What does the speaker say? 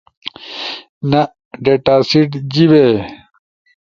نأ، ڈیٹا سیٹ، جیِبے